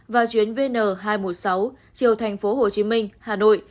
và chuyến vn hai trăm một mươi sáu chiều thành phố hồ chí minh hà nội